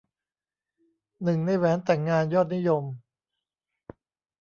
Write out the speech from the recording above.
หนึ่งในแหวนแต่งงานยอดนิยม